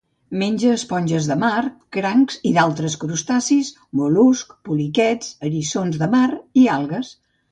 Menja esponges de mar, crancs i d'altres crustacis, mol·luscs, poliquets, eriçons de mar i algues.